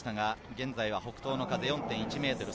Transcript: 現在は北東の風４．１メートル。